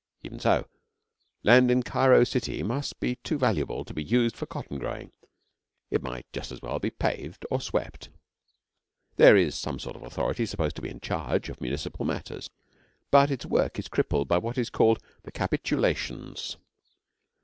Even so, land in Cairo city must be too valuable to be used for cotton growing. It might just as well be paved or swept. There is some sort of authority supposed to be in charge of municipal matters, but its work is crippled by what is called 'The Capitulations.'